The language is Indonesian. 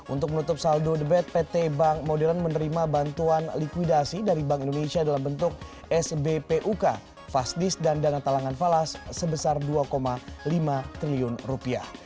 untuk menutup saldo debat pt bank modern menerima bantuan likuidasi dari bank indonesia dalam bentuk sbpuk fasdis dan dana talangan falas sebesar dua lima triliun rupiah